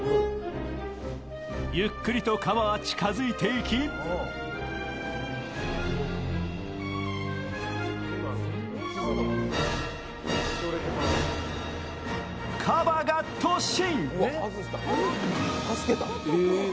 ゆっくりとかばは近づいていきかばが突進。